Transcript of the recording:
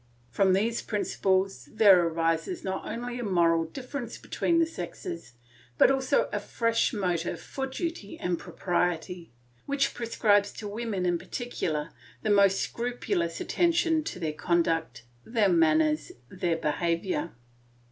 From these principles there arises not only a moral difference between the sexes, but also a fresh motive for duty and propriety, which prescribes to women in particular the most scrupulous attention to their conduct, their manners, their behaviour.